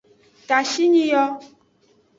Tashinyi yo.